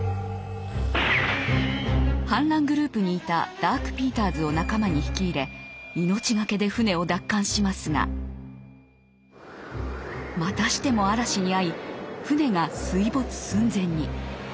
反乱グループにいたダーク・ピーターズを仲間に引き入れ命懸けで船を奪還しますがまたしても嵐に遭い船が水没寸前に。